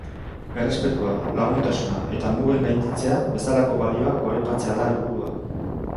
Errespetua, laguntasuna eta mugen gainditzea bezalako balioak goraipatzea da helburua.